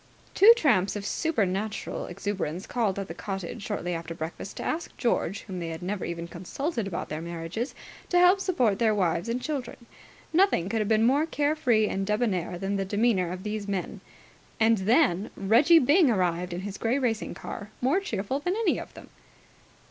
Two tramps of supernatural exuberance called at the cottage shortly after breakfast to ask George, whom they had never even consulted about their marriages, to help support their wives and children. Nothing could have been more care free and debonnaire than the demeanour of these men. And then Reggie Byng arrived in his grey racing car, more cheerful than any of them.